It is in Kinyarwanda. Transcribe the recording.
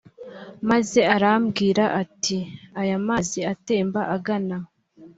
maze arambwira ati aya mazi atemba agana